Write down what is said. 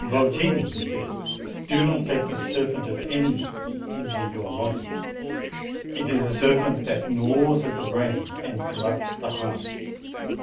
"Y tini," he "do not let the serpent of envy enter FXVY ITT your body ; it is a serpent which g naws at the brain and corrupts the heart."